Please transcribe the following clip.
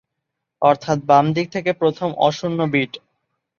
অর্থাৎ বাম দিক থেকে প্রথম অশূন্য বিট।